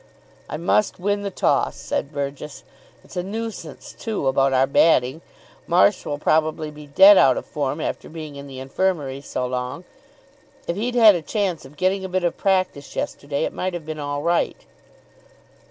"I must win the toss," said Burgess. "It's a nuisance too, about our batting. Marsh will probably be dead out of form after being in the Infirmary so long. If he'd had a chance of getting a bit of practice yesterday, it might have been all right."